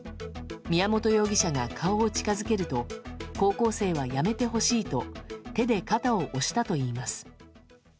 宮本容疑者が顔を近づけると高校生はやめてほしいと手で肩を押したといいます。